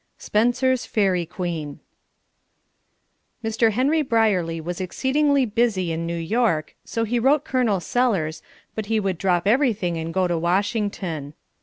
Spenser's Faerie Queens. Mr. Henry Brierly was exceedingly busy in New York, so he wrote Col. Sellers, but he would drop everything and go to Washington.